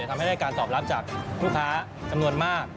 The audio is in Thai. ทำให้ได้การตอบรับจากลูกค้าจำนวนมาก